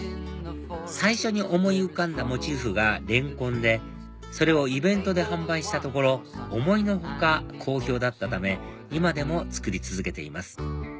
最初に思い浮かんだモチーフがレンコンでそれをイベントで販売したところ思いの外好評だったため今でも作り続けています